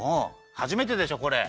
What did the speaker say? はじめてでしょこれ。